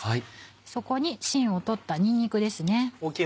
そこにしんを取ったにんにくですね。